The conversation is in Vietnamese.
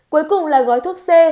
cuối cùng là gói thuốc c